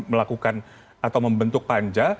melakukan atau membentuk panja